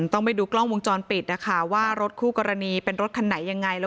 ต้องไปดูกล้องวงจรปิดนะคะว่ารถคู่กรณีเป็นรถคันไหนยังไง